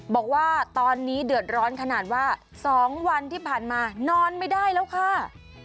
บอกว่าตอนนี้เดือดร้อนขนาดว่า๒วันที่ผ่านมานอนไม่ได้แล้วค่ะ